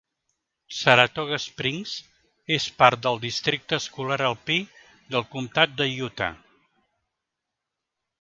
Saratoga Springs és part del districte escolar alpí del comtat de Utah.